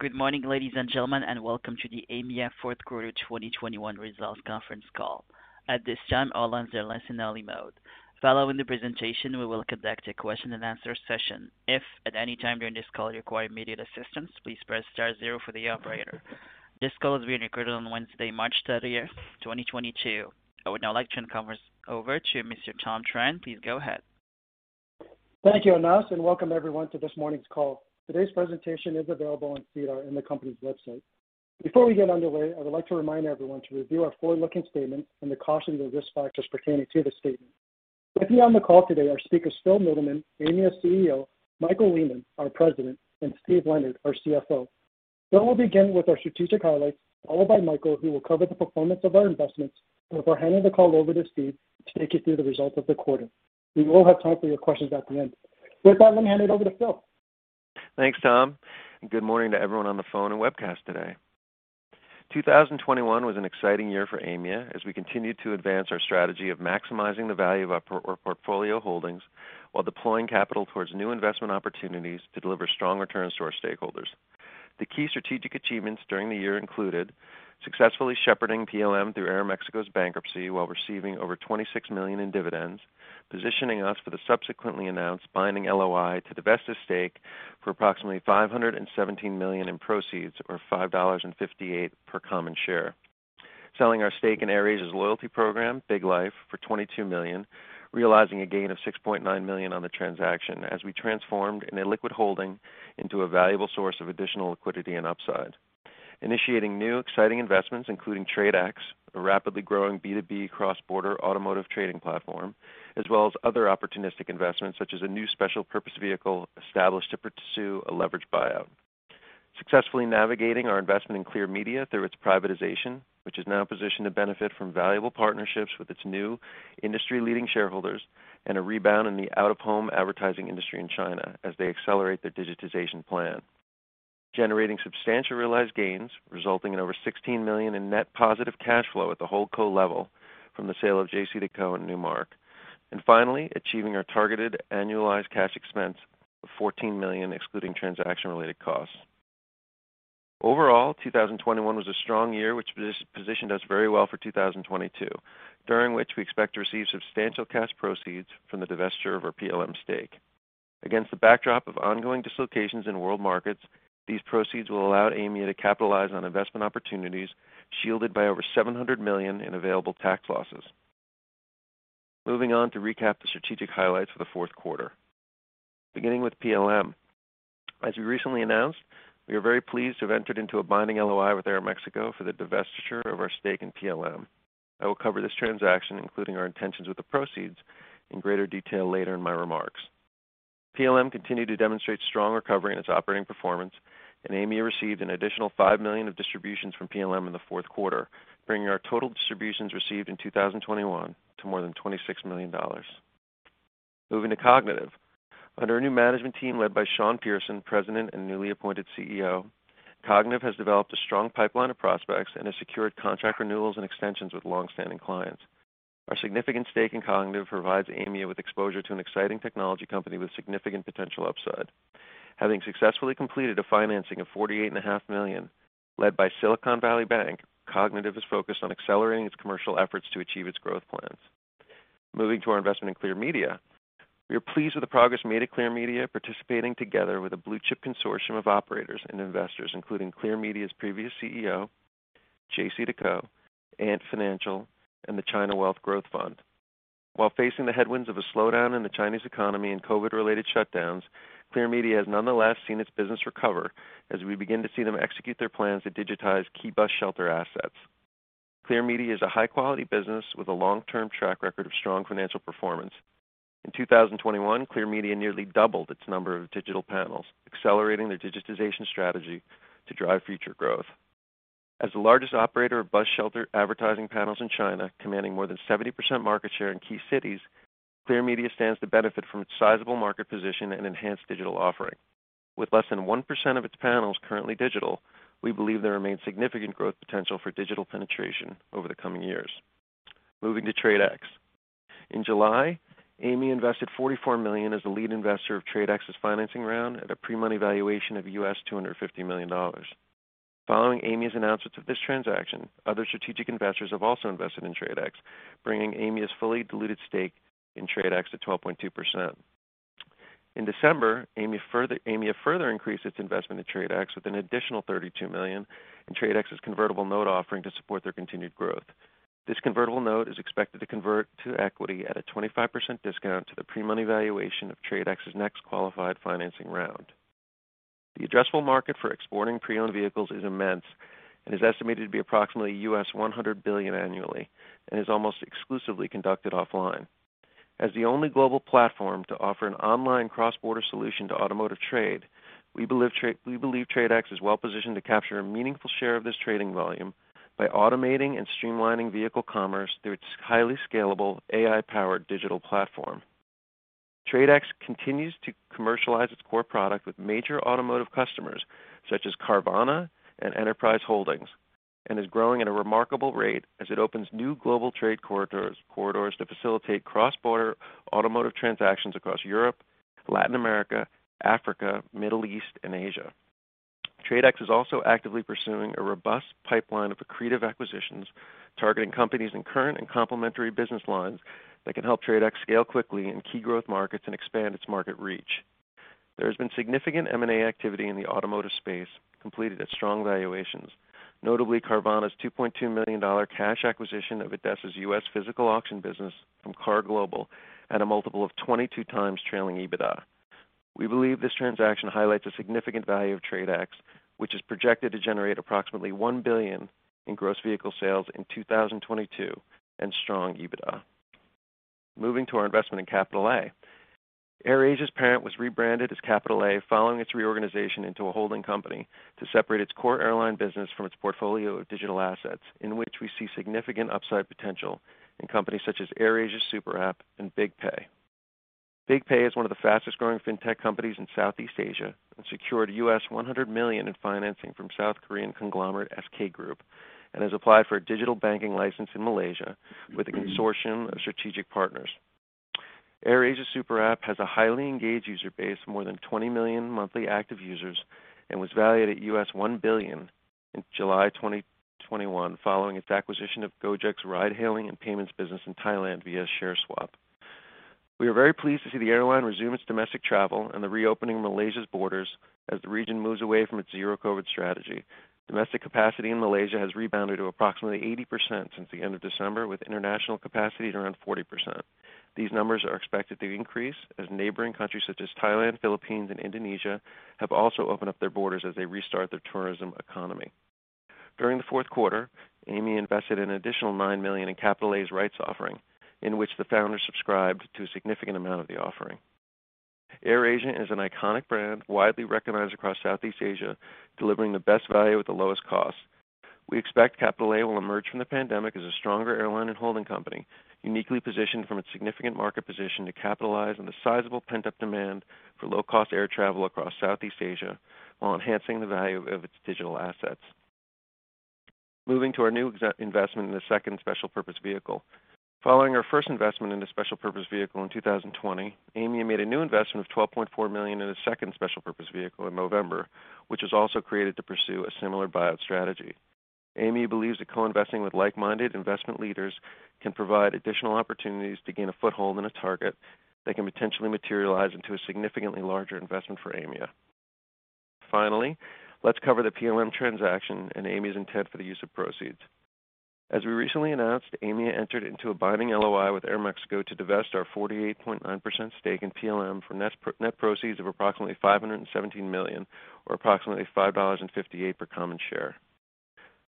Good morning, ladies and gentlemen, and welcome to the Aimia fourth quarter 2021 results conference call. At this time, all lines are in listen-only mode. Following the presentation, we will conduct a question and answer session. If at any time during this call you require immediate assistance, please press star zero for the operator. This call is being recorded on Wednesday, March 30, 2022. I would now like to turn the conference over to Mr. Tom Tran. Please go ahead. Thank you, Anas, and welcome everyone to this morning's call. Today's presentation is available on SEDAR and the company's website. Before we get underway, I would like to remind everyone to review our forward-looking statements and the caution of the risk factors pertaining to the statement. With me on the call today are speakers Phil Mittleman, Aimia CEO, Michael Lehmann, our President, and Steven Leonard, our CFO. Phil will begin with our strategic highlights, followed by Michael, who will cover the performance of our investments before handing the call over to Steve to take you through the results of the quarter. We will have time for your questions at the end. With that, let me hand it over to Phil. Thanks, Tom, and good morning to everyone on the phone and webcast today. 2021 was an exciting year for Aimia as we continued to advance our strategy of maximizing the value of our portfolio holdings while deploying capital towards new investment opportunities to deliver strong returns to our stakeholders. The key strategic achievements during the year included successfully shepherding PLM through Aeromexico's bankruptcy while receiving over $26 million in dividends, positioning us for the subsequently announced binding LOI to the estate for approximately $517 million in proceeds or $5.58 per common share. Selling our stake in AirAsia's loyalty program, BIGLIFE, for $22 million, realizing a gain of $6.9 million on the transaction as we transformed an illiquid holding into a valuable source of additional liquidity and upside. Initiating new exciting investments, including TRADE X, a rapidly growing B2B cross-border automotive trading platform, as well as other opportunistic investments, such as a new special purpose vehicle established to pursue a leveraged buyout. Successfully navigating our investment in Clear Media through its privatization, which is now positioned to benefit from valuable partnerships with its new industry-leading shareholders and a rebound in the out-of-home advertising industry in China as they accelerate their digitization plan. Generating substantial realized gains, resulting in over 16 million in net positive cash flow at the whole co level from the sale of JCDecaux and Newmark. Finally, achieving our targeted annualized cash expense of 14 million, excluding transaction-related costs. Overall, 2021 was a strong year which positioned us very well for 2022, during which we expect to receive substantial cash proceeds from the divestiture of our PLM stake. Against the backdrop of ongoing dislocations in world markets, these proceeds will allow Aimia to capitalize on investment opportunities shielded by over 700 million in available tax losses. Moving on to recap the strategic highlights for the fourth quarter. Beginning with PLM. As we recently announced, we are very pleased to have entered into a binding LOI with Aeromexico for the divestiture of our stake in PLM. I will cover this transaction, including our intentions with the proceeds, in greater detail later in my remarks. PLM continued to demonstrate strong recovery in its operating performance, and Aimia received an additional $5 million of distributions from PLM in the fourth quarter, bringing our total distributions received in 2021 to more than $26 million. Moving to Kognitiv. Under a new management team led by Sean Pearson, President and newly appointed CEO, Kognitiv has developed a strong pipeline of prospects and has secured contract renewals and extensions with long-standing clients. Our significant stake in Kognitiv provides Aimia with exposure to an exciting technology company with significant potential upside. Having successfully completed a financing of $48.5 million, led by Silicon Valley Bank, Kognitiv is focused on accelerating its commercial efforts to achieve its growth plans. Moving to our investment in Clear Media. We are pleased with the progress made at Clear Media, participating together with a blue-chip consortium of operators and investors, including Clear Media's previous CEO, JCDecaux, Ant Financial, and the China Wealth Growth Fund. While facing the headwinds of a slowdown in the Chinese economy and COVID-related shutdowns, Clear Media has nonetheless seen its business recover as we begin to see them execute their plans to digitize key bus shelter assets. Clear Media is a high-quality business with a long-term track record of strong financial performance. In 2021, Clear Media nearly doubled its number of digital panels, accelerating their digitization strategy to drive future growth. As the largest operator of bus shelter advertising panels in China, commanding more than 70% market share in key cities, Clear Media stands to benefit from its sizable market position and enhanced digital offering. With less than 1% of its panels currently digital, we believe there remains significant growth potential for digital penetration over the coming years. Moving to TRADE X. In July, Aimia invested $44 million as the lead investor of TRADE X's financing round at a pre-money valuation of $250 million. Following Aimia's announcement of this transaction, other strategic investors have also invested in TRADE X, bringing Aimia's fully diluted stake in TRADE X to 12.2%. In December, Aimia further increased its investment in TRADE X with an additional $32 million in TRADE X's convertible note offering to support their continued growth. This convertible note is expected to convert to equity at a 25% discount to the pre-money valuation of TRADE X's next qualified financing round. The addressable market for exporting pre-owned vehicles is immense and is estimated to be approximately $100 billion annually and is almost exclusively conducted offline. As the only global platform to offer an online cross-border solution to automotive trade, we believe TRADE X is well positioned to capture a meaningful share of this trading volume by automating and streamlining vehicle commerce through its highly scalable AI-powered digital platform. TRADE X continues to commercialize its core product with major automotive customers such as Carvana and Enterprise Holdings. It is growing at a remarkable rate as it opens new global trade corridors to facilitate cross-border automotive transactions across Europe, Latin America, Africa, Middle East, and Asia. TRADE X is also actively pursuing a robust pipeline of accretive acquisitions, targeting companies in current and complementary business lines that can help TRADE X scale quickly in key growth markets and expand its market reach. There has been significant M&A activity in the automotive space, completed at strong valuations, notably Carvana's $2.2 billion cash acquisition of ADESA's U.S. physical auction business from KAR Global at a multiple of 22x trailing EBITDA. We believe this transaction highlights the significant value of TRADE X, which is projected to generate approximately $1 billion in gross vehicle sales in 2022 and strong EBITDA. Moving to our investment in Capital A. AirAsia's parent was rebranded as Capital A following its reorganization into a holding company to separate its core airline business from its portfolio of digital assets, in which we see significant upside potential in companies such as airasia Superapp and BigPay. BigPay is one of the fastest-growing fintech companies in Southeast Asia and secured $100 million in financing from South Korean conglomerate SK Group and has applied for a digital banking license in Malaysia with a consortium of strategic partners. airasia Superapp has a highly engaged user base of more than 20 million monthly active users and was valued at $1 billion in July 2021 following its acquisition of Gojek's ride hailing and payments business in Thailand via share swap. We are very pleased to see the airline resume its domestic travel and the reopening of Malaysia's borders as the region moves away from its zero-COVID strategy. Domestic capacity in Malaysia has rebounded to approximately 80% since the end of December, with international capacity at around 40%. These numbers are expected to increase as neighboring countries such as Thailand, Philippines, and Indonesia have also opened up their borders as they restart their tourism economy. During the fourth quarter, Aimia invested an additional 9 million in Capital A's rights offering, in which the founders subscribed to a significant amount of the offering. AirAsia is an iconic brand widely recognized across Southeast Asia, delivering the best value at the lowest cost. We expect Capital A will emerge from the pandemic as a stronger airline and holding company, uniquely positioned from its significant market position to capitalize on the sizable pent-up demand for low-cost air travel across Southeast Asia while enhancing the value of its digital assets. Moving to our new investment in the second special purpose vehicle. Following our first investment in the special purpose vehicle in 2020, Aimia made a new investment of 12.4 million in a second special purpose vehicle in November, which was also created to pursue a similar buyout strategy. Aimia believes that co-investing with like-minded investment leaders can provide additional opportunities to gain a foothold in a target that can potentially materialize into a significantly larger investment for Aimia. Finally, let's cover the PLM transaction and Aimia's intent for the use of proceeds. As we recently announced, Aimia entered into a binding LOI with Aeroméxico to divest our 48.9% stake in PLM for net proceeds of approximately 517 million or approximately 5.58 dollars per common share.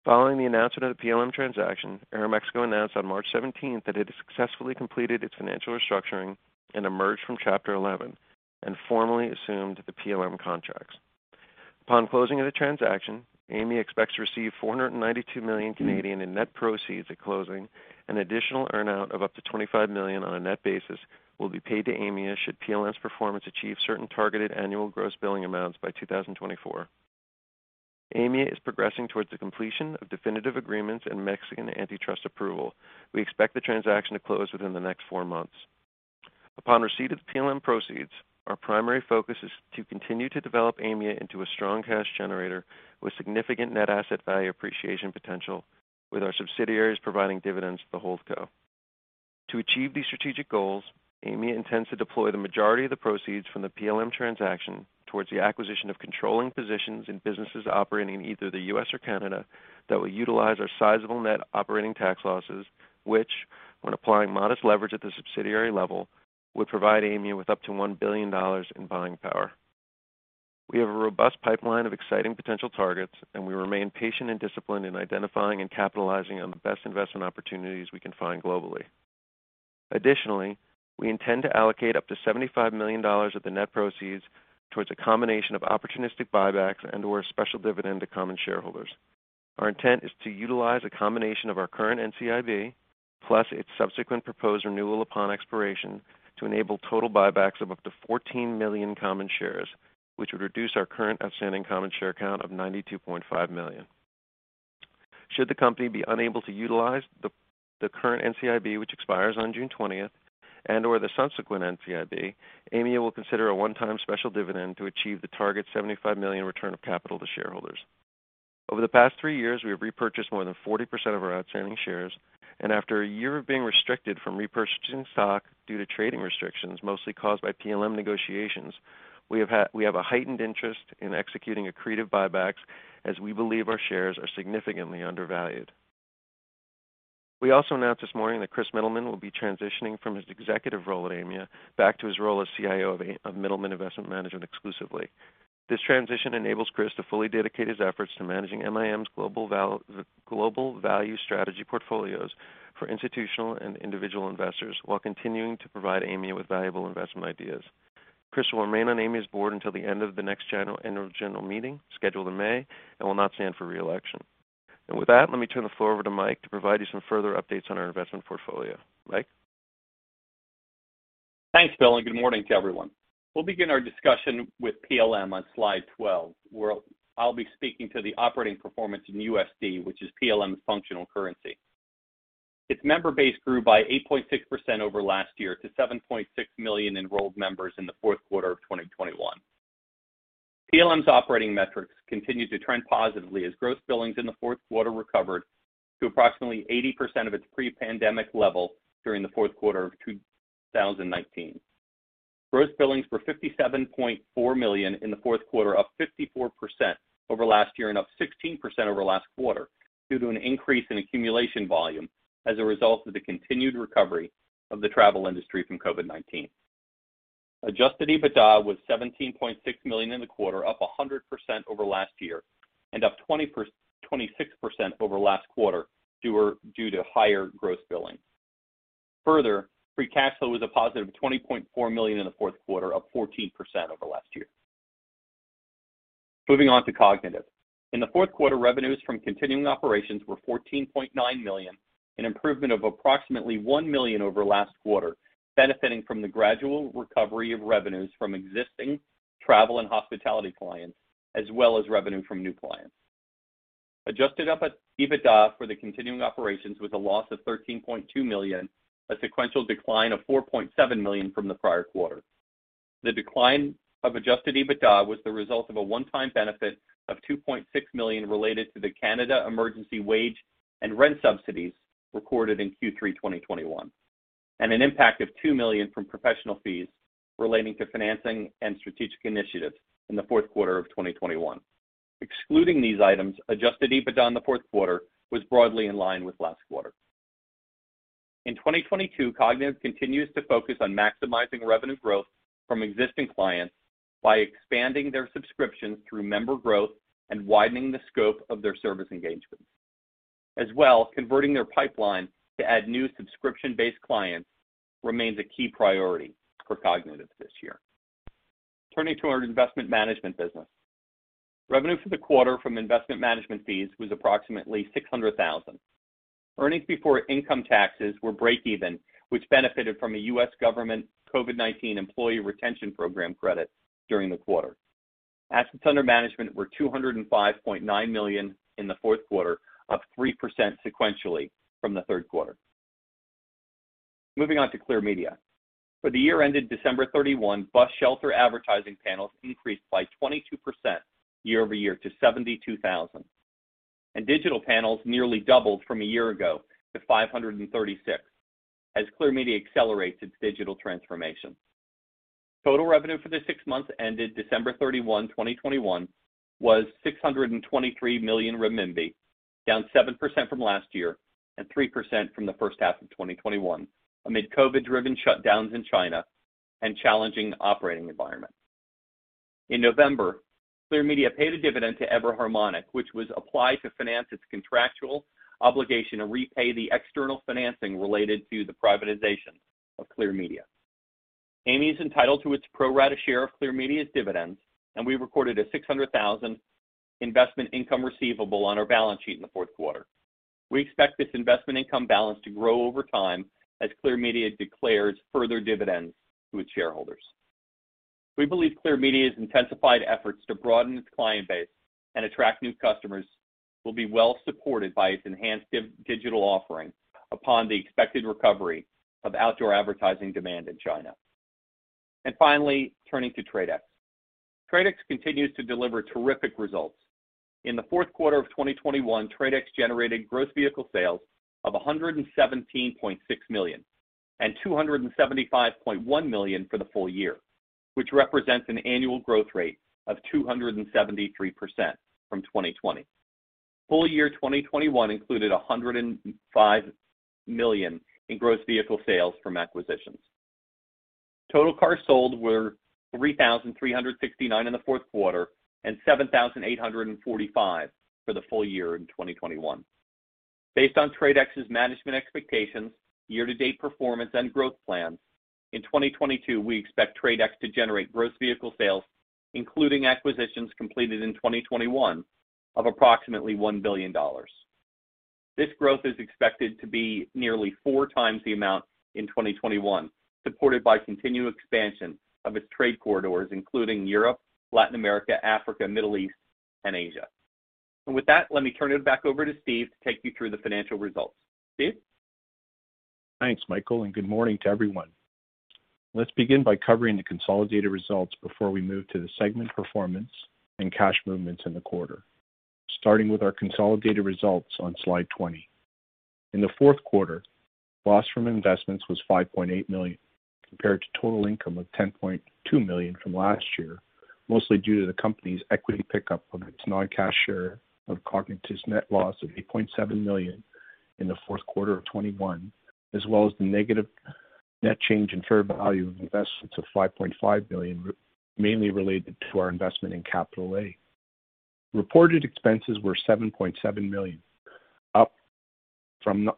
Following the announcement of the PLM transaction, Aeroméxico announced on March 17 that it had successfully completed its financial restructuring and emerged from Chapter 11 and formally assumed the PLM contracts. Upon closing of the transaction, Aimia expects to receive 492 million in net proceeds at closing. An additional earn-out of up to 25 million on a net basis will be paid to Aimia should PLM's performance achieve certain targeted annual gross billing amounts by 2024. Aimia is progressing towards the completion of definitive agreements and Mexican antitrust approval. We expect the transaction to close within the next 4 months. Upon receipt of the PLM proceeds, our primary focus is to continue to develop Aimia into a strong cash generator with significant net asset value appreciation potential, with our subsidiaries providing dividends to the holdco. To achieve these strategic goals, Aimia intends to deploy the majority of the proceeds from the PLM transaction towards the acquisition of controlling positions in businesses operating in either the U.S. or Canada that will utilize our sizable net operating tax losses, which, when applying modest leverage at the subsidiary level, would provide Aimia with up to $1 billion in buying power. We have a robust pipeline of exciting potential targets, and we remain patient and disciplined in identifying and capitalizing on the best investment opportunities we can find globally. Additionally, we intend to allocate up to $75 million of the net proceeds towards a combination of opportunistic buybacks and/or a special dividend to common shareholders. Our intent is to utilize a combination of our current NCIB, plus its subsequent proposed renewal upon expiration, to enable total buybacks of up to 14 million common shares, which would reduce our current outstanding common share count of 92.5 million. Should the company be unable to utilize the current NCIB, which expires on June 20th, and/or the subsequent NCIB, Aimia will consider a one-time special dividend to achieve the target 75 million return of capital to shareholders. Over the past three years, we have repurchased more than 40% of our outstanding shares, and after a year of being restricted from repurchasing stock due to trading restrictions, mostly caused by PLM negotiations, we have a heightened interest in executing accretive buybacks as we believe our shares are significantly undervalued. We also announced this morning that Chris Mittleman will be transitioning from his executive role at Aimia back to his role as CIO of Mittleman Investment Management exclusively. This transition enables Chris to fully dedicate his efforts to managing MIM's global value strategy portfolios for institutional and individual investors while continuing to provide Aimia with valuable investment ideas. Chris will remain on Aimia's board until the end of the next annual general meeting scheduled in May and will not stand for re-election. With that, let me turn the floor over to Mike to provide you some further updates on our investment portfolio. Mike? Thanks, Phil, and good morning to everyone. We'll begin our discussion with PLM on slide 12, where I'll be speaking to the operating performance in USD, which is PLM's functional currency. Its member base grew by 8.6% over last year to 7.6 million enrolled members in the fourth quarter of 2021. PLM's operating metrics continued to trend positively as gross billings in the fourth quarter recovered to approximately 80% of its pre-pandemic level during the fourth quarter of 2019. Gross billings were $57.4 million in the fourth quarter, up 54% over last year and up 16% over last quarter due to an increase in accumulation volume as a result of the continued recovery of the travel industry from COVID-19. Adjusted EBITDA was 17.6 million in the quarter, up 100% over last year and up 26% over last quarter due to higher gross billings. Further, free cash flow was a +20.4 million in the fourth quarter, up 14% over last year. Moving on to Kognitiv. In the fourth quarter, revenues from continuing operations were 14.9 million, an improvement of approximately 1 million over last quarter, benefiting from the gradual recovery of revenues from existing travel and hospitality clients as well as revenue from new clients. Adjusted EBITDA for the continuing operations was a loss of 13.2 million, a sequential decline of 4.7 million from the prior quarter. The decline of adjusted EBITDA was the result of a one-time benefit of 2.6 million related to the Canada Emergency Wage Subsidy and Canada Emergency Rent Subsidy recorded in Q3 2021, and an impact of 2 million from professional fees relating to financing and strategic initiatives in the fourth quarter of 2021. Excluding these items, adjusted EBITDA in the fourth quarter was broadly in line with last quarter. In 2022, Kognitiv continues to focus on maximizing revenue growth from existing clients by expanding their subscriptions through member growth and widening the scope of their service engagements. As well, converting their pipeline to add new subscription-based clients remains a key priority for Kognitiv this year. Turning to our investment management business. Revenue for the quarter from investment management fees was approximately 600,000. Earnings before income taxes were breakeven, which benefited from a U.S. government COVID-19 employee retention program credit during the quarter. Assets under management were 205.9 million in the fourth quarter, up 3% sequentially from the third quarter. Moving on to Clear Media. For the year ended December 31, bus shelter advertising panels increased by 22% year-over-year to 72,000. Digital panels nearly doubled from a year ago to 536 as Clear Media accelerates its digital transformation. Total revenue for the six months ended December 31, 2021 was 623 million renminbi, down 7% from last year and 3% from the first half of 2021 amid COVID-driven shutdowns in China and challenging operating environment. In November, Clear Media paid a dividend to Ever Harmonic, which was applied to finance its contractual obligation to repay the external financing related to the privatization of Clear Media. Aimia is entitled to its pro rata share of Clear Media's dividends, and we recorded a 600,000 investment income receivable on our balance sheet in the fourth quarter. We expect this investment income balance to grow over time as Clear Media declares further dividends to its shareholders. We believe Clear Media's intensified efforts to broaden its client base and attract new customers will be well supported by its enhanced digital offering upon the expected recovery of outdoor advertising demand in China. Finally, turning to TRADE X. TRADE X continues to deliver terrific results. In the fourth quarter of 2021, TRADE X generated gross vehicle sales of $117.6 million and $275.1 million for the full year, which represents an annual growth rate of 273% from 2020. Full year 2021 included $105 million in gross vehicle sales from acquisitions. Total cars sold were 3,369 in the fourth quarter and 7,845 for the full year in 2021. Based on TRADE X's management expectations, year-to-date performance, and growth plans, in 2022, we expect TRADE X to generate gross vehicle sales, including acquisitions completed in 2021, of approximately $1 billion. This growth is expected to be nearly 4x the amount in 2021, supported by continued expansion of its trade corridors, including Europe, Latin America, Africa, Middle East, and Asia. With that, let me turn it back over to Steve to take you through the financial results. Steve? Thanks, Michael, and good morning to everyone. Let's begin by covering the consolidated results before we move to the segment performance and cash movements in the quarter. Starting with our consolidated results on slide 20. In the fourth quarter, loss from investments was 5.8 million compared to total income of 10.2 million from last year, mostly due to the company's equity pickup on its non-cash share of Kognitiv's net loss of 8.7 million in the fourth quarter of 2021, as well as the negative net change in fair value of investments of 5.5 billion, mainly related to our investment in Capital A. Reported expenses were $7.7 million, up from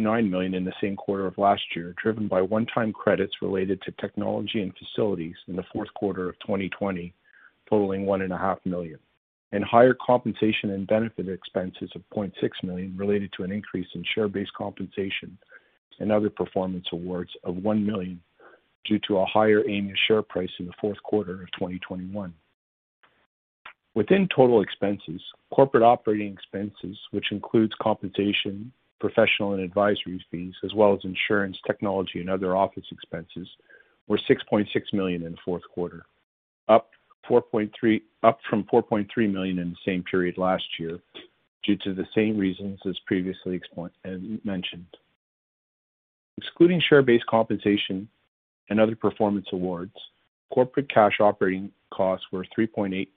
$5.9 million in the same quarter of last year, driven by one-time credits related to technology and facilities in the fourth quarter of 2020 totaling 1.5 million. Higher compensation and benefit expenses of 0.6 million related to an increase in share-based compensation and other performance awards of 1 million due to a higher Aimia share price in the fourth quarter of 2021. Within total expenses, corporate operating expenses, which includes compensation, professional and advisory fees, as well as insurance, technology, and other office expenses, were 6.6 million in the fourth quarter, up from 4.3 million in the same period last year due to the same reasons as previously explained, mentioned. Excluding share-based compensation and other performance awards, corporate cash operating costs were 3.8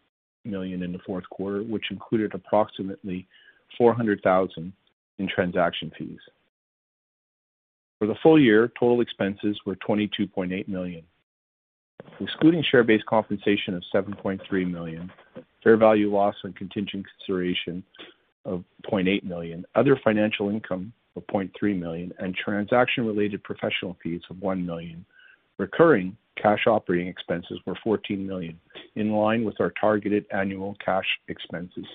million in the fourth quarter, which included approximately 400,000 in transaction fees. For the full year, total expenses were 22.8 million, excluding share-based compensation of 7.3 million, fair value loss and contingent consideration of 0.8 million, other financial income of 0.3 million, and transaction-related professional fees of 1 million. Recurring cash operating expenses were 14 million, in line with our targeted annual cash expenses.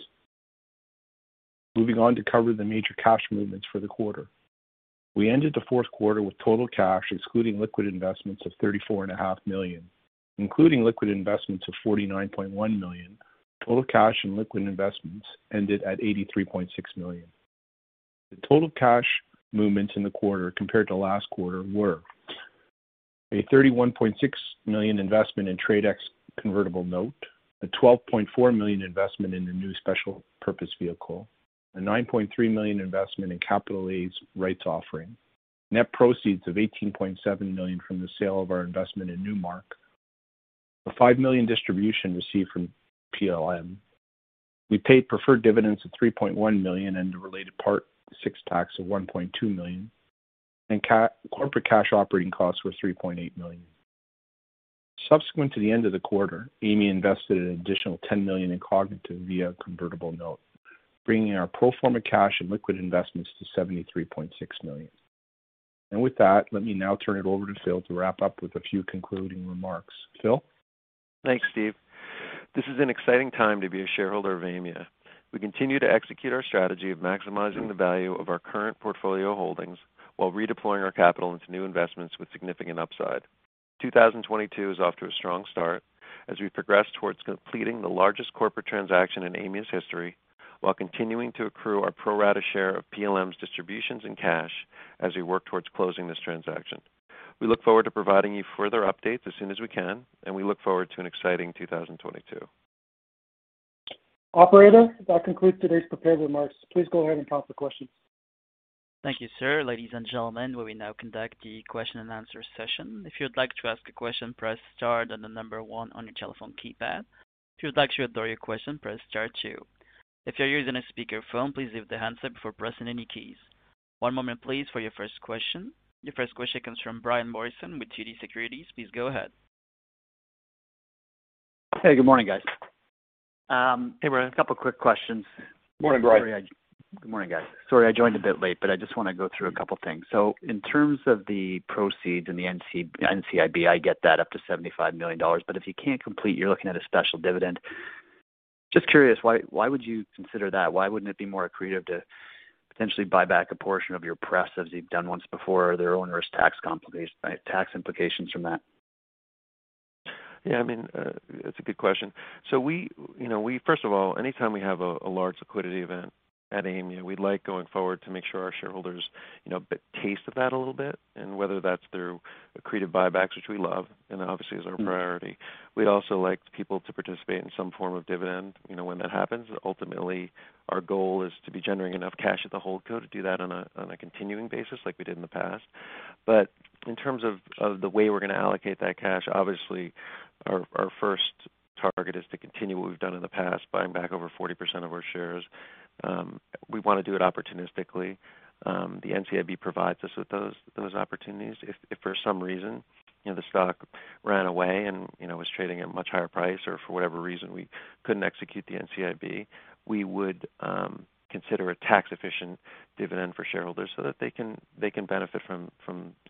Moving on to cover the major cash movements for the quarter. We ended the fourth quarter with total cash excluding liquid investments of 34.5 million, including liquid investments of 49.1 million. Total cash and liquid investments ended at 83.6 million. The total cash movements in the quarter compared to last quarter were a 31.6 million investment in TRADE X convertible note, a CAD 12.4 million investment in the new special purpose vehicle, a 9.3 million investment in Capital A's rights offering, net proceeds of 18.7 million from the sale of our investment in Newmark, a 5 million distribution received from PLM. We paid preferred dividends of 3.1 million and the related Part VI.1 tax of 1.2 million, and corporate cash operating costs were 3.8 million. Subsequent to the end of the quarter, Aimia invested an additional 10 million in Kognitiv via a convertible note, bringing our pro forma cash and liquid investments to 73.6 million. With that, let me now turn it over to Phil to wrap up with a few concluding remarks. Phil? Thanks, Steve. This is an exciting time to be a shareholder of Aimia. We continue to execute our strategy of maximizing the value of our current portfolio holdings while redeploying our capital into new investments with significant upside. 2022 is off to a strong start as we progress towards completing the largest corporate transaction in Aimia's history while continuing to accrue our pro rata share of PLM's distributions in cash as we work towards closing this transaction. We look forward to providing you further updates as soon as we can, and we look forward to an exciting 2022. Operator, that concludes today's prepared remarks. Please go ahead and open the questions. Thank you, sir. Ladies and gentlemen, we will now conduct the question and answer session. If you would like to ask a question, press star then the number one on your telephone keypad. If you would like to withdraw your question, press star two. If you're using a speakerphone, please lift the handset before pressing any keys. One moment please for your first question. Your first question comes from Brian Morrison with TD Securities. Please go ahead. Hey, good morning, guys. Hey, Brian, a couple quick questions. Morning, Brian. Sorry, good morning, guys. Sorry, I joined a bit late, but I just wanna go through a couple things. In terms of the proceeds and the NCIB, I get that up to 75 million dollars. If you can't complete, you're looking at a special dividend. Just curious, why would you consider that? Why wouldn't it be more accretive to potentially buy back a portion of your pref as you've done once before? Are there onerous tax implications from that? Yeah, I mean, that's a good question. We, you know, first of all, anytime we have a large liquidity event at Aimia, we like going forward to make sure our shareholders, you know, get a taste of that a little bit. Whether that's through accretive buybacks, which we love, and obviously is our priority. We'd also like people to participate in some form of dividend, you know, when that happens. Ultimately, our goal is to be generating enough cash at the hold co to do that on a continuing basis like we did in the past. In terms of the way we're gonna allocate that cash, obviously our first target is to continue what we've done in the past, buying back over 40% of our shares. We wanna do it opportunistically. The NCIB provides us with those opportunities. If for some reason, you know, the stock ran away and, you know, was trading at a much higher price or for whatever reason we couldn't execute the NCIB, we would consider a tax-efficient dividend for shareholders so that they can benefit from,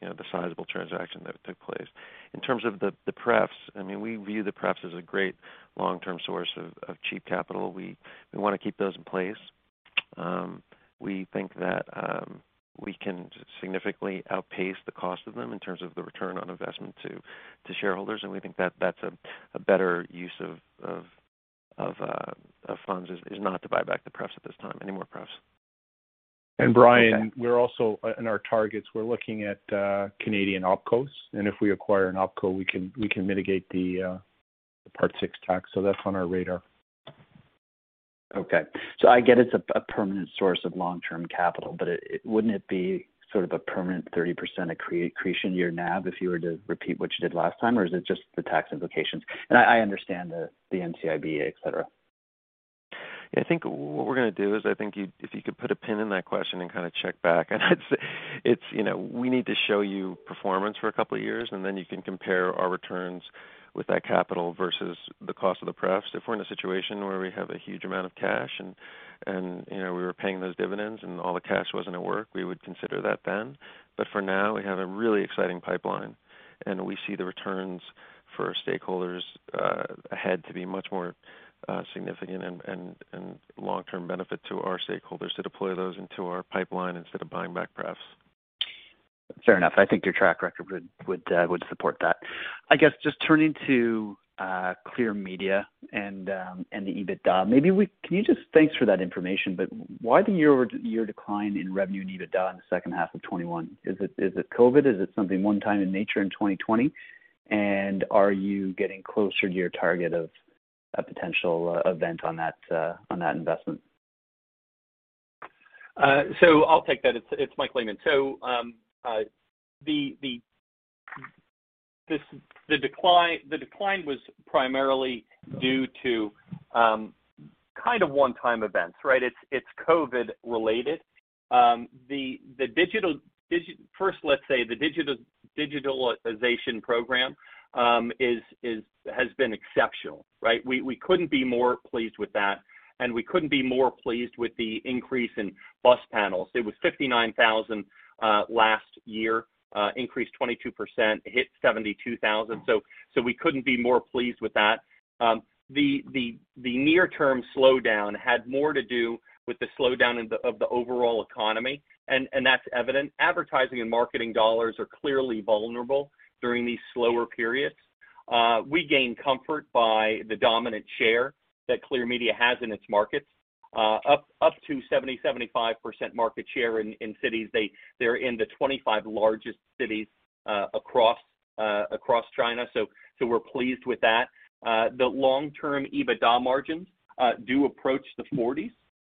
you know, the sizable transaction that took place. In terms of the pref's, I mean, we view the pref's as a great long-term source of cheap capital. We wanna keep those in place. We think that we can significantly outpace the cost of them in terms of the return on investment to shareholders, and we think that that's a better use of funds is not to buy back the pref's at this time, any more pref's. Brian, we're also in our targets, we're looking at Canadian Opcos. If we acquire an Opco, we can mitigate the Part VI.1 tax. That's on our radar. Okay. I get it's a permanent source of long-term capital, but wouldn't it be sort of a permanent 30% accretion to your NAV if you were to repeat what you did last time? Or is it just the tax implications? I understand the NCIB, etc. Yeah, I think what we're gonna do is I think if you could put a pin in that question and kinda check back. I'd say it's, you know, we need to show you performance for a couple of years, and then you can compare our returns with that capital versus the cost of the prefs. If we're in a situation where we have a huge amount of cash and, you know, we were paying those dividends and all the cash wasn't at work, we would consider that then. For now, we have a really exciting pipeline, and we see the returns for our stakeholders ahead to be much more significant and long-term benefit to our stakeholders to deploy those into our pipeline instead of buying back prefs. Fair enough. I think your track record would support that. I guess just turning to Clear Media and the EBITDA. Thanks for that information, but why the year-over-year decline in revenue and EBITDA in the second half of 2021? Is it COVID? Is it something one time in nature in 2020? And are you getting closer to your target of a potential event on that investment? I'll take that. It's Mike Lehmann. The decline was primarily due to kind of one-time events, right? It's COVID related. The digitalization program has been exceptional, right? We couldn't be more pleased with that, and we couldn't be more pleased with the increase in bus panels. It was 59,000 last year, increased 22%, hit 72,000. We couldn't be more pleased with that. The near-term slowdown had more to do with the slowdown in the overall economy, and that's evident. Advertising and marketing dollars are clearly vulnerable during these slower periods. We gain comfort by the dominant share that Clear Media has in its markets, up to 75% market share in cities. They're in the 25 largest cities across China. We're pleased with that. The long-term EBITDA margins do approach the 40s.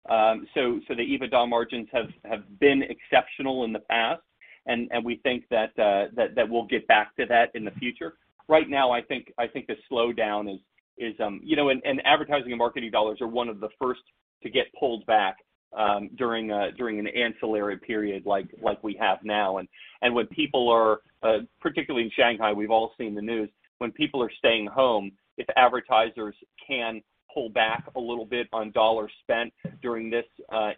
The EBITDA margins have been exceptional in the past and we think that we'll get back to that in the future. Right now, I think the slowdown is, you know, advertising and marketing dollars are one of the first to get pulled back during an uncertain period like we have now. When people are particularly in Shanghai, we've all seen the news. When people are staying home, if advertisers can pull back a little bit on dollars spent during this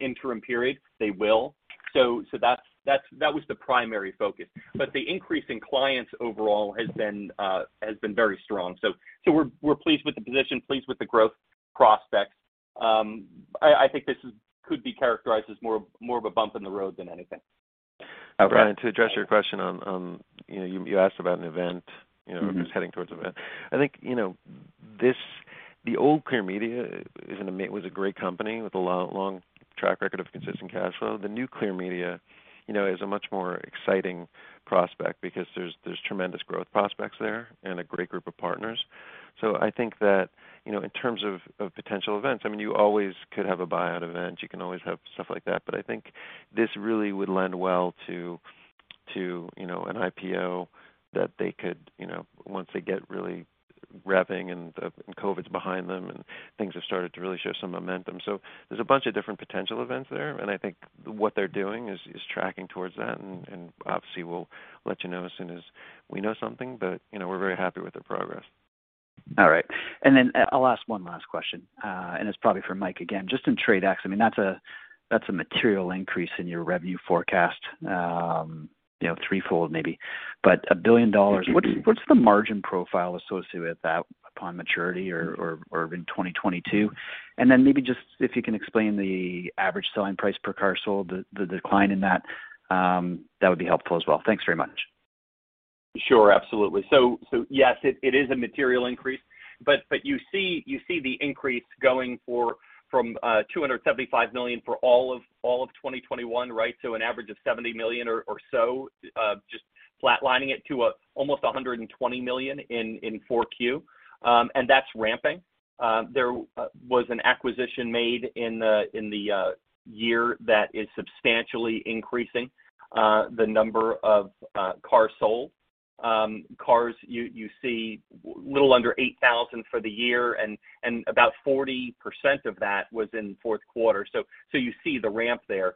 interim period, they will. That was the primary focus. The increase in clients overall has been very strong. We're pleased with the position, pleased with the growth prospects. I think this could be characterized as more of a bump in the road than anything. Okay. To address your question on, you know, you asked about an event, you know, just heading towards event. I think, you know, this, the old Clear Media was a great company with a long track record of consistent cash flow. The new Clear Media, you know, is a much more exciting prospect because there's tremendous growth prospects there and a great group of partners. I think that, you know, in terms of potential events, I mean, you always could have a buyout event, you can always have stuff like that. I think this really would lend well to, you know, an IPO that they could, you know, once they get really revving and COVID's behind them and things have started to really show some momentum. There's a bunch of different potential events there, and I think what they're doing is tracking towards that. Obviously, we'll let you know as soon as we know something, but, you know, we're very happy with their progress. All right. Then I'll ask one last question, and it's probably for Mike again. Just in TRADE X, I mean, that's a material increase in your revenue forecast, you know, threefold maybe. $1 billion- It could be. What's the margin profile associated with that upon maturity or in 2022? Maybe just if you can explain the average selling price per car sold, the decline in that would be helpful as well. Thanks very much. Sure. Absolutely. Yes, it is a material increase. You see the increase going from 275 million for all of 2021, right? An average of 70 million or so, just flatlining it to almost 120 million in Q4, and that's ramping. There was an acquisition made in the year that is substantially increasing the number of cars sold. Cars you see a little under 8,000 for the year and about 40% of that was in fourth quarter. You see the ramp there.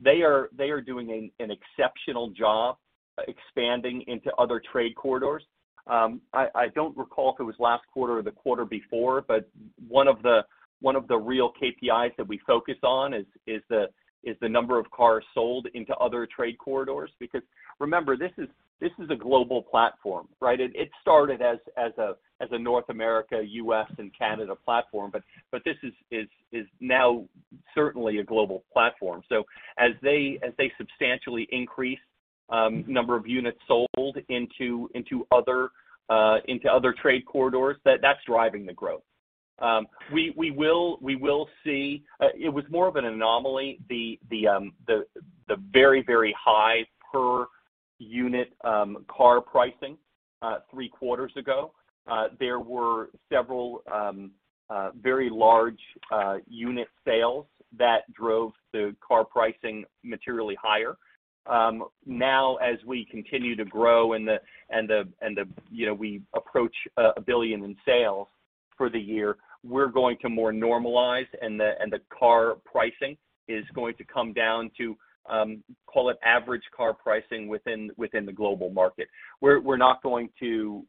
They are doing an exceptional job expanding into other trade corridors. I don't recall if it was last quarter or the quarter before, but one of the real KPIs that we focus on is the number of cars sold into other trade corridors. Because remember, this is a global platform, right? It started as a North America, U.S. and Canada platform, but this is now certainly a global platform. As they substantially increase number of units sold into other trade corridors, that's driving the growth. We will see. It was more of an anomaly, the very high per unit car pricing three quarters ago. There were several very large unit sales that drove the car pricing materially higher. Now as we continue to grow and the you know we approach a billion in sales for the year, we're going to more normalize and the car pricing is going to come down to call it average car pricing within the global market. We're not going to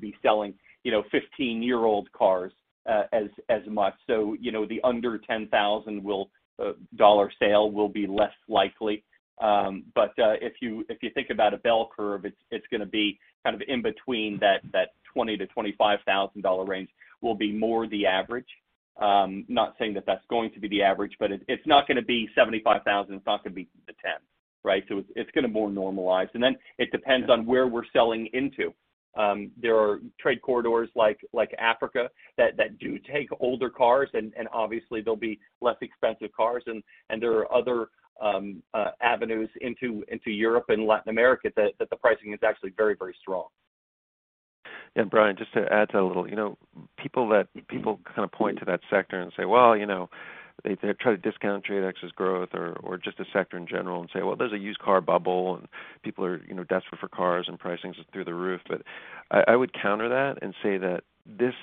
be selling you know 15-year-old cars as much. You know the under $10,000 sale will be less likely. But if you think about a bell curve, it's gonna be kind of in between that $20,000-$25,000 range will be more the average. Not saying that that's going to be the average, but it's not gonna be $75,000, it's not gonna be the $10,000, right? It's gonna more normalize. It depends on where we're selling into. There are trade corridors like Africa that do take older cars and obviously they'll be less expensive cars and there are other avenues into Europe and Latin America that the pricing is actually very, very strong. Brian, just to add to that a little, you know, people kind of point to that sector and say, "Well, you know," they try to discount TRADE X's growth or just the sector in general and say, "Well, there's a used car bubble, and people are, you know, desperate for cars and pricing's through the roof." But I would counter that and say that this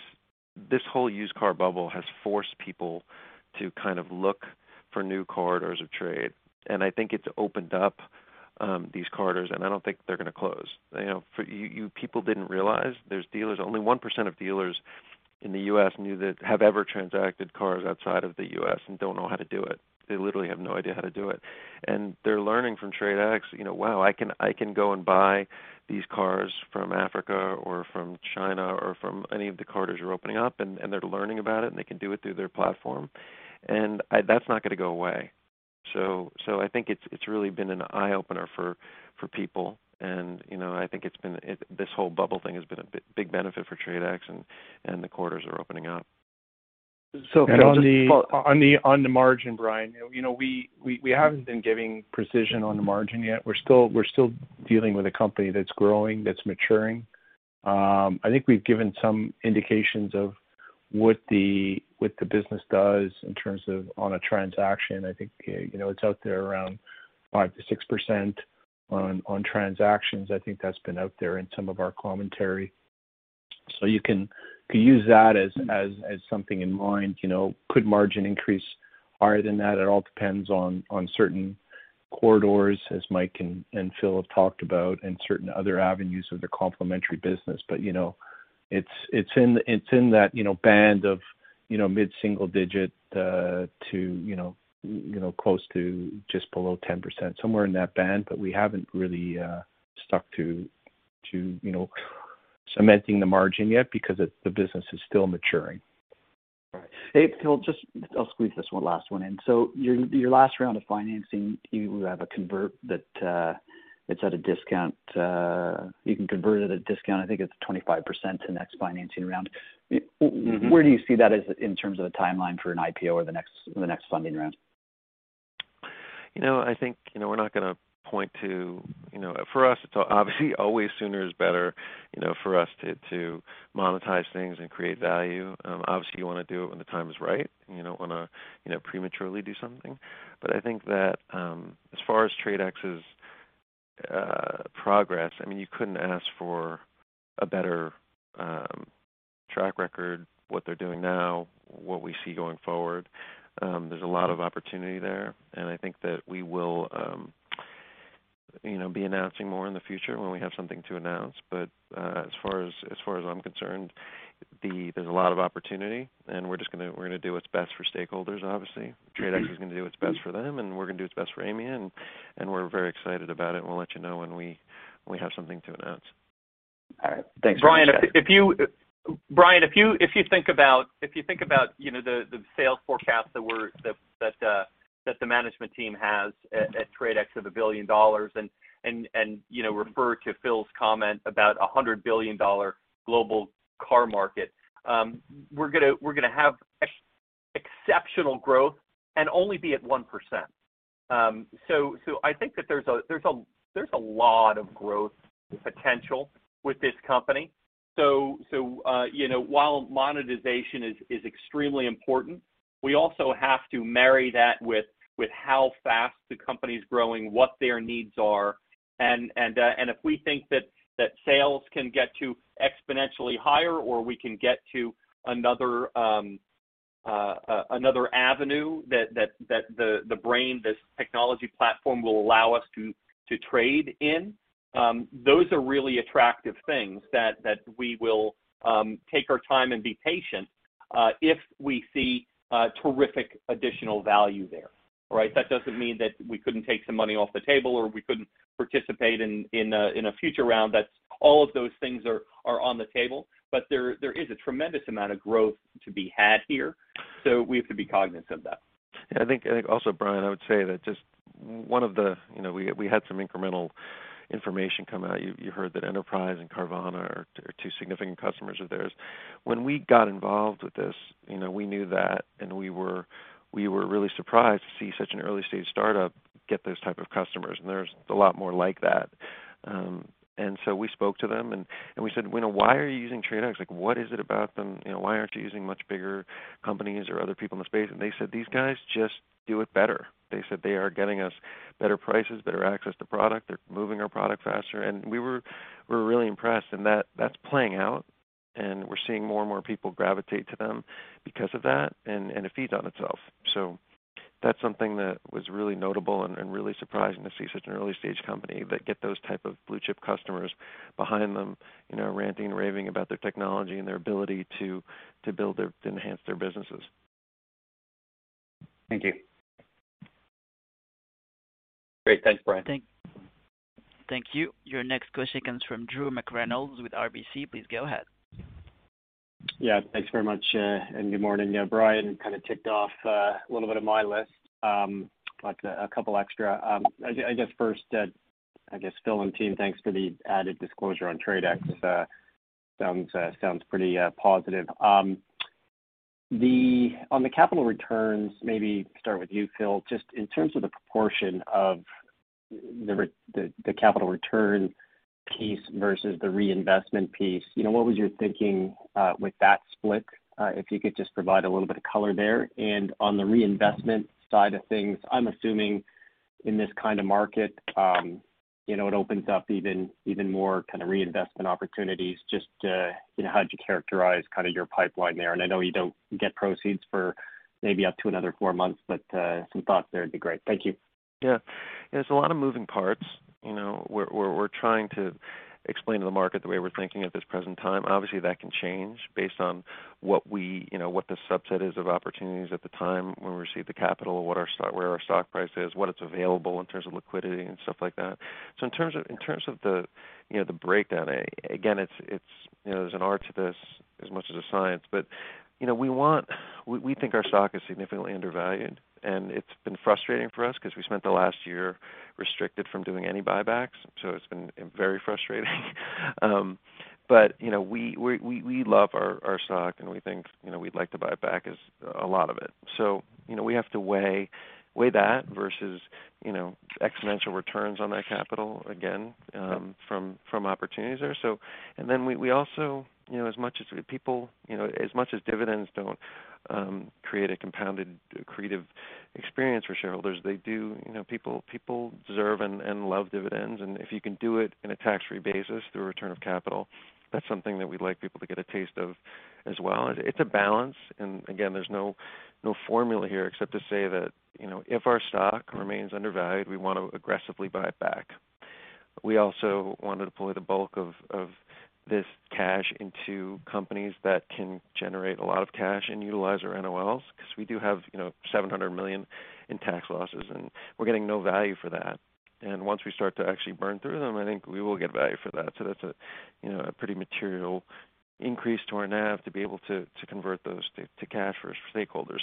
whole used car bubble has forced people to kind of look for new corridors of trade. I think it's opened up these corridors, and I don't think they're gonna close. You know, you people didn't realize there are dealers. Only 1% of dealers in the U.S. have ever transacted cars outside of the U.S. and don't know how to do it. They literally have no idea how to do it. They're learning from TRADE X, you know, wow, I can go and buy these cars from Africa or from China or from any of the corridors that are opening up, and they're learning about it, and they can do it through their platform. That's not gonna go away. I think it's really been an eye-opener for people. You know, I think this whole bubble thing has been a big benefit for TRADE X, and the corridors are opening up. Phil, just follow- On the margin, Brian, you know, we haven't been giving precision on the margin yet. We're still dealing with a company that's growing, that's maturing. I think we've given some indications of what the business does in terms of on a transaction. I think, you know, it's out there around 5%-6% on transactions. I think that's been out there in some of our commentary. You can use that as something in mind. You know, could margin increase higher than that? It all depends on certain corridors, as Mike and Phil have talked about, and certain other avenues of the complementary business. You know, it's in that you know band of you know mid-single digit to you know close to just below 10%, somewhere in that band. We haven't really stuck to you know cementing the margin yet because the business is still maturing. Right. Hey, Phil, just I'll squeeze this one last one in. Your last round of financing, you have a convert that it's at a discount. You can convert it at a discount, I think it's 25% to the next financing round. Mm-hmm. Where do you see that as in terms of the timeline for an IPO or the next funding round? You know, I think, you know, we're not gonna point to. You know, for us, it's obviously always sooner is better, you know, for us to monetize things and create value. Obviously you wanna do it when the time is right. You don't wanna, you know, prematurely do something. I think that, as far as TRADE X's progress, I mean, you couldn't ask for a better track record, what they're doing now, what we see going forward. There's a lot of opportunity there, and I think that we will, you know, be announcing more in the future when we have something to announce. As far as I'm concerned, there's a lot of opportunity, and we're just gonna do what's best for stakeholders, obviously. TRADE X is gonna do what's best for them, and we're gonna do what's best for Aimia, and we're very excited about it, and we'll let you know when we have something to announce. All right. Thanks very much. Brian, if you think about, you know, the sales forecast that the management team has at TRADE X of $1 billion and you know, refer to Phil's comment about a $100 billion global car market, we're gonna have exceptional growth and only be at 1%. I think that there's a lot of growth potential with this company. You know, while monetization is extremely important, we also have to marry that with how fast the company's growing, what their needs are, and if we think that sales can get to exponentially higher or we can get to another avenue that the brain this technology platform will allow us to trade in, those are really attractive things that we will take our time and be patient if we see terrific additional value there, right? That doesn't mean that we couldn't take some money off the table or we couldn't participate in a future round. That all of those things are on the table. There is a tremendous amount of growth to be had here, so we have to be cognizant of that. Yeah. I think also, Brian, I would say that just one of the. You know, we had some incremental information coming out. You heard that Enterprise and Carvana are two significant customers of theirs. When we got involved with this, you know, we knew that, and we were really surprised to see such an early-stage startup get those type of customers, and there's a lot more like that. We spoke to them and we said, "You know, why are you using TRADE X? Like, what is it about them? You know, why aren't you using much bigger companies or other people in the space?" They said, "These guys just do it better." They said, "They are getting us better prices, better access to product. They're moving our product faster." We were really impressed. That's playing out, and we're seeing more and more people gravitate to them because of that, and it feeds on itself. That's something that was really notable and really surprising to see such an early-stage company that get those type of blue-chip customers behind them, you know, ranting and raving about their technology and their ability to enhance their businesses. Thank you. Great. Thanks, Brian. Thank you. Your next question comes from Drew McReynolds with RBC. Please go ahead. Yeah, thanks very much, and good morning. Yeah, Brian kind of ticked off a little bit of my list. Like a couple extra. I guess first, Phil and team, thanks for the added disclosure on TRADE X. That sounds pretty positive. On the capital returns, maybe start with you, Phil, just in terms of the proportion of the capital return piece versus the reinvestment piece, you know, what was your thinking with that split? If you could just provide a little bit of color there. On the reinvestment side of things, I'm assuming in this kind of market, you know, it opens up even more kind of reinvestment opportunities just to, you know, how'd you characterize kind of your pipeline there? I know you don't get proceeds for maybe up to another four months, but some thoughts there'd be great. Thank you. Yeah. There's a lot of moving parts. You know, we're trying to explain to the market the way we're thinking at this present time. Obviously, that can change based on what we, you know, what the subset is of opportunities at the time when we receive the capital, what our stock price is, what it's available in terms of liquidity and stuff like that. In terms of the breakdown, again, it's, you know, there's an art to this as much as a science. You know, we think our stock is significantly undervalued, and it's been frustrating for us because we spent the last year restricted from doing any buybacks. It's been very frustrating. You know, we love our stock and we think, you know, we'd like to buy back as a lot of it. You know, we have to weigh that versus, you know, exponential returns on that capital again, from opportunities there. We also, you know, as much as people, you know, as much as dividends don't create a compounded accretive experience for shareholders, they do, you know, people deserve and love dividends. If you can do it in a tax-free basis through a return of capital, that's something that we'd like people to get a taste of as well. It's a balance. Again, there's no formula here except to say that, you know, if our stock remains undervalued, we wanna aggressively buy it back. We also wanna deploy the bulk of this cash into companies that can generate a lot of cash and utilize our NOLs, 'cause we do have, you know, 700 million in tax losses, and we're getting no value for that. Once we start to actually burn through them, I think we will get value for that. That's a, you know, a pretty material increase to our NAV to be able to convert those to cash for stakeholders.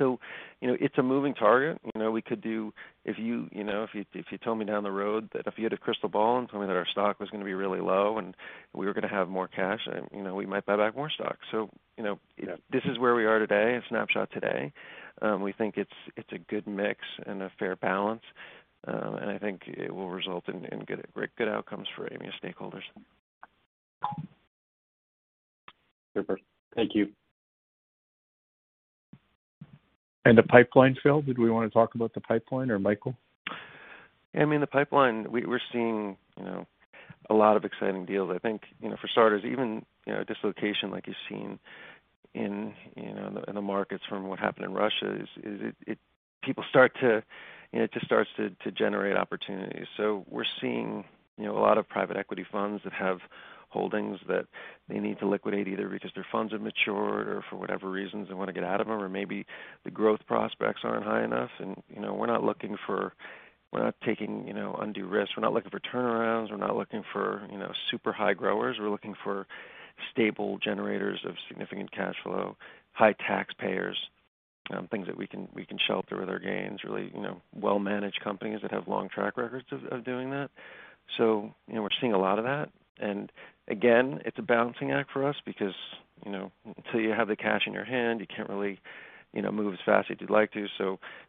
You know, it's a moving target. You know, we could do. If you know, if you told me down the road that if you had a crystal ball and told me that our stock was gonna be really low and we were gonna have more cash, you know, we might buy back more stock. You know, this is where we are today, a snapshot today. We think it's a good mix and a fair balance. I think it will result in good outcomes for Aimia stakeholders. Super. Thank you. The pipeline, Phil, did we wanna talk about the pipeline or Michael? I mean, the pipeline, we're seeing, you know, a lot of exciting deals. I think, you know, for starters, even, you know, dislocation like you've seen in, you know, in the markets from what happened in Russia is. It just starts to generate opportunities. We're seeing, you know, a lot of private equity funds that have holdings that they need to liquidate either because their funds have matured or for whatever reasons they wanna get out of them or maybe the growth prospects aren't high enough. You know, we're not looking for. We're not taking, you know, undue risks. We're not looking for turnarounds. We're not looking for, you know, super high growers. We're looking for stable generators of significant cash flow, high taxpayers, things that we can shelter with our gains really, you know, well-managed companies that have long track records of doing that. You know, we're seeing a lot of that. Again, it's a balancing act for us because, you know, until you have the cash in your hand, you can't really, you know, move as fast as you'd like to.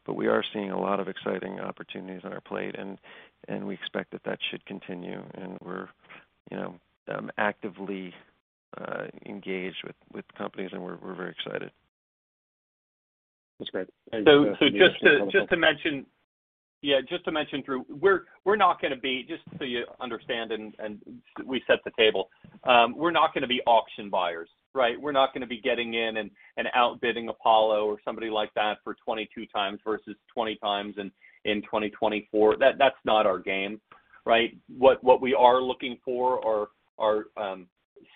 But we are seeing a lot of exciting opportunities on our plate, and we expect that should continue. You know, we're actively engaged with companies, and we're very excited. That's great. Thank you. Just to mention, Drew, we're not gonna be auction buyers, right? Just so you understand and we set the table, we're not gonna be getting in and outbidding Apollo or somebody like that for 22x versus 20x in 2024. That's not our game, right? What we are looking for are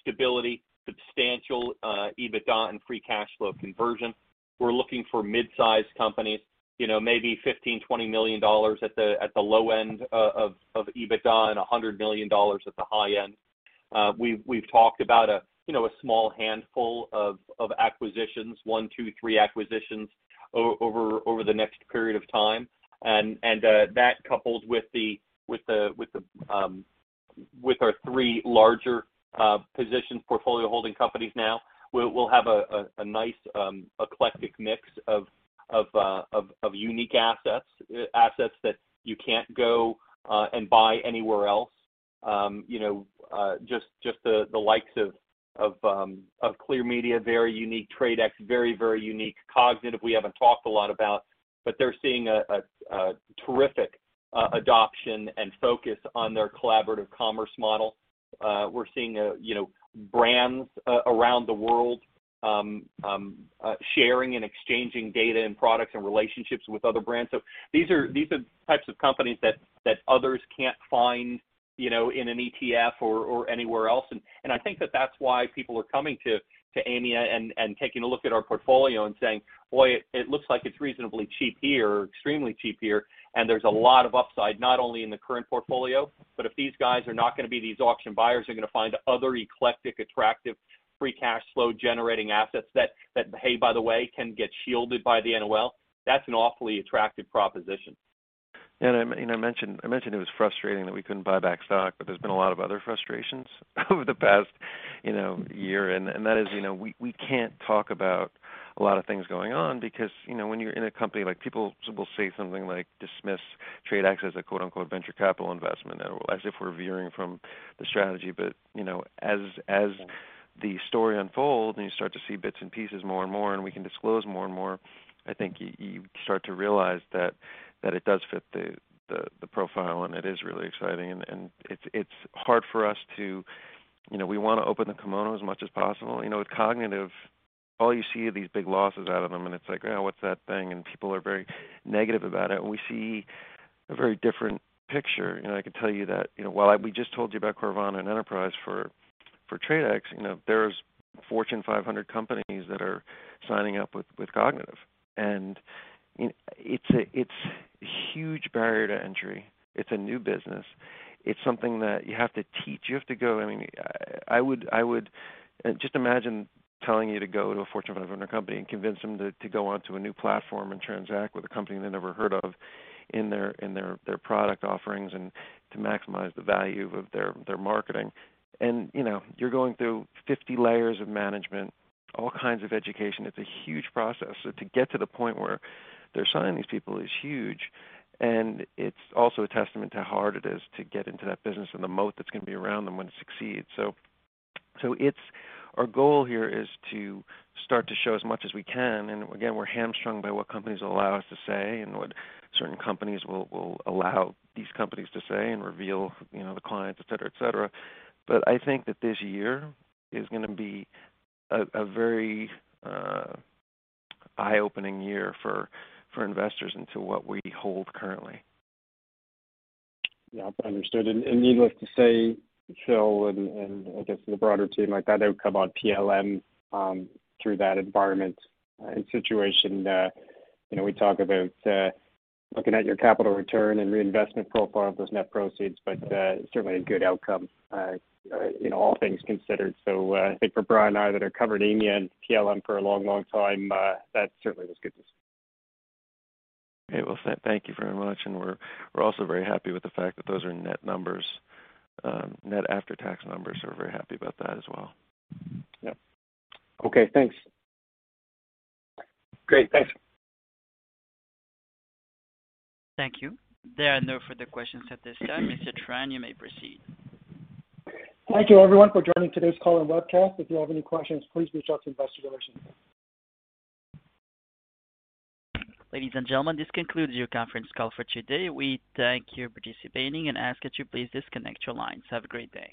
stability, substantial EBITDA and free cash flow conversion. We're looking for mid-sized companies, you know, maybe $15-$20 million at the low end of EBITDA and $100 million at the high end. We've talked about, you know, a small handful of one, two, three acquisitions over the next period of time. That coupled with the with our three larger position portfolio holding companies now, we'll have a nice eclectic mix of unique assets that you can't go and buy anywhere else. You know, just the likes of Clear Media, very unique. TRADE X, very unique. Kognitiv, we haven't talked a lot about, but they're seeing a terrific adoption and focus on their collaborative commerce model. We're seeing, you know, brands around the world sharing and exchanging data and products and relationships with other brands. These are types of companies that others can't find, you know, in an ETF or anywhere else. I think that that's why people are coming to Aimia and taking a look at our portfolio and saying, "Boy, it looks like it's reasonably cheap here or extremely cheap here." There's a lot of upside, not only in the current portfolio, but if these guys are not gonna be these auction buyers, they're gonna find other eclectic, attractive, free cash flow generating assets that, hey, by the way, can get shielded by the NOL. That's an awfully attractive proposition. I mentioned it was frustrating that we couldn't buy back stock, but there's been a lot of other frustrations over the past, you know, year. That is, you know, we can't talk about a lot of things going on because, you know, when you're in a company, like people will say something like dismiss TRADE X as a quote, unquote, "venture capital investment" as if we're veering from the strategy. You know, as the story unfolds and you start to see bits and pieces more and more, and we can disclose more and more, I think you start to realize that it does fit the profile, and it is really exciting. It's hard for us to. You know, we wanna open the kimono as much as possible. You know, with Kognitiv, all you see are these big losses out of them, and it's like, "Oh, what's that thing?" People are very negative about it. We see a very different picture. You know, I can tell you that, you know, we just told you about Carvana and Enterprise for TRADE X. You know, there's Fortune 500 companies that are signing up with Kognitiv. It's a huge barrier to entry. It's a new business. It's something that you have to teach. You have to go. I mean, I would. Just imagine telling you to go to a Fortune 500 company and convince them to go onto a new platform and transact with a company they never heard of in their product offerings and to maximize the value of their marketing. You know, you're going through 50 layers of management, all kinds of education. It's a huge process. To get to the point where they're signing these people is huge, and it's also a testament to how hard it is to get into that business and the moat that's gonna be around them when it succeeds. It's our goal here is to start to show as much as we can, and again, we're hamstrung by what companies allow us to say and what certain companies will allow these companies to say and reveal, you know, the clients, etc., etc. I think that this year is gonna be a very eye-opening year for investors into what we hold currently. Yeah. Understood. Needless to say, Phil, and I guess the broader team, like that outcome on PLM, through that environment and situation, you know, we talk about looking at your capital return and reinvestment profile of those net proceeds, but certainly a good outcome, you know, all things considered. I think for Brian and I that are covering Aimia and PLM for a long, long time, that certainly was good to see. Okay. Well, thank you very much, and we're also very happy with the fact that those are net numbers, net after-tax numbers. We're very happy about that as well. Yep. Okay, thanks. Great. Thanks. Thank you. There are no further questions at this time. Mr. Tran, you may proceed. Thank you everyone for joining today's call and webcast. If you have any questions, please reach out to investor relations. Ladies and gentlemen, this concludes your conference call for today. We thank you for participating and ask that you please disconnect your lines. Have a great day.